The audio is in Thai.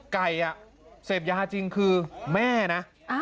ไก่เสพยาจริงคือแม่นะ